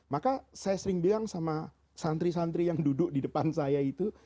maka saya sering bilang sama santri santri yang duduk di depan saya itu